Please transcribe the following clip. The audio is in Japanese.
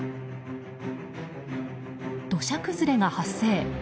土砂崩れが発生。